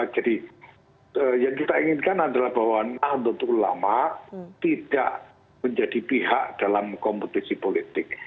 jadi yang kita inginkan adalah bahwa nalutulama tidak menjadi pihak dalam kompetisi politik